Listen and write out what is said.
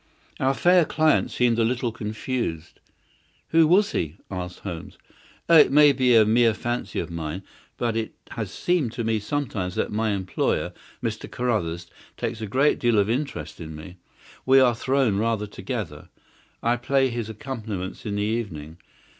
Our fair client seemed a little confused. "Who was he?" asked Holmes. "Oh, it may be a mere fancy of mine; but it has seemed to me sometimes that my employer, Mr. Carruthers, takes a great deal of interest in me. We are thrown rather together. I play his accompaniments in the evening.